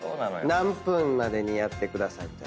何分までにやってください。